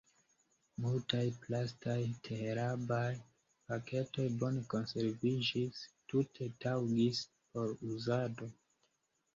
Multaj plastaj teherbaj paketoj bone konserviĝis, tute taŭgis por uzado.